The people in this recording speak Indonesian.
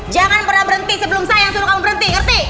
jangan pernah berhenti sebelum saya yang suruh kamu berhenti ngerti